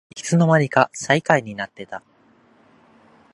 いつのまにか最下位になってた